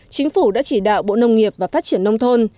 chính phủ đã chỉ đạo bộ nông nghiệp và phát triển nông thôn